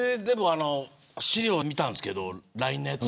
資料を見たんですけどＬＩＮＥのやつ。